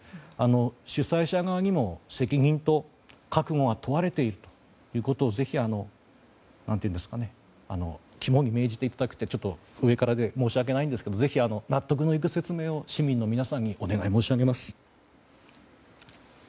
主催者側にも責任と覚悟が問われていることをぜひ、肝に銘じていただくというのは上からで申し訳ないんですがぜひ、納得のいく説明を市民の皆さんにお願い申し上げます。